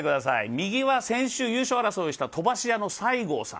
右は先週、優勝争いをした飛ばし屋の西郷さん。